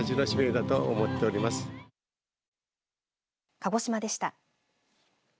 鹿児島でした。